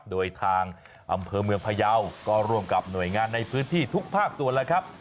โดยทางอำเภอเมืองพยาวก็ร่วมกับหน่วยงานในพื้นที่ทุกภาคส่วนแล้วครับ